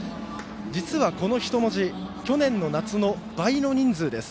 実は、この人文字、去年の夏の倍の人数です。